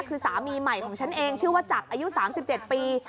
คือสามีใหม่ของฉันเองชื่อว่าจักรอายุ๓๗ปี